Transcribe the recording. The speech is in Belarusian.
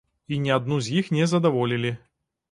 І ні адну з іх не задаволілі.